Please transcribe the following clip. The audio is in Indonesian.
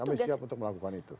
kami siap untuk melakukan itu